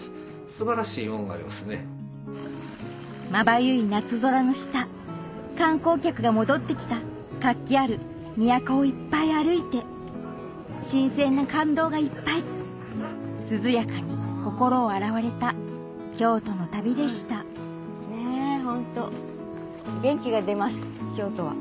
まばゆい夏空の下観光客が戻ってきた活気ある都をいっぱい歩いて新鮮な感動がいっぱい涼やかに心洗われた京都の旅でしたねぇホント元気が出ます京都は。